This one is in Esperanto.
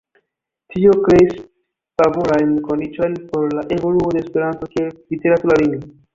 Tio kreis favorajn kondiĉojn por la evoluo de Esperanto kiel literatura lingvo.